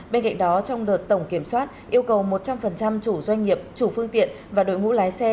bên cạnh đó trong đợt tổng kiểm soát yêu cầu một trăm linh chủ doanh nghiệp chủ phương tiện và đội ngũ lái xe